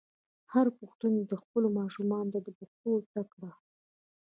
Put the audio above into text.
هر پښتون دې خپلو ماشومانو ته پښتو زده کړه.